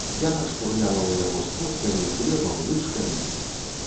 Яна шпурляла ў яго сподкамі, хлебам, лыжкамі.